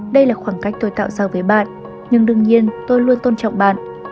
đây là khoảng cách tôi tạo ra với bạn nhưng đương nhiên tôi luôn tôn trọng bạn